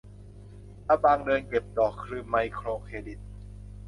อาบังเดินเก็บดอก คือไมโครเครดิต